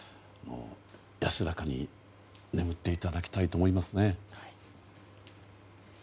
安らかに眠っていただきたいと思いますね。